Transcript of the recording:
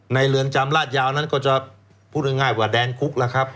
เรือนจำลาดยาวนั้นก็จะพูดง่ายว่าแดนคุกแล้วครับ